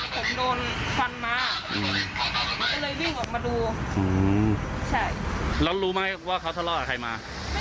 จะบอกว่าทุกละฟันมามาดูแล้วรู้ไหมว่าเขาเจ้าเล่าไทยมา